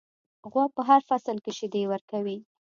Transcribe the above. غوا په هر فصل کې شیدې ورکوي.